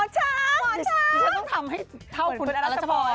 ฉันต้องทำให้เท่าคุณอรัชพร